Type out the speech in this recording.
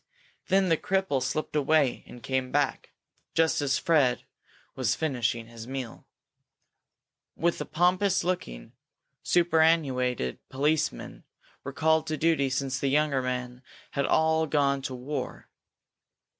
Then the cripple slipped away and came back, just as Fred was finishing his meal, with a pompous looking, superannuated policeman, recalled to duty since the younger men had all gone to war.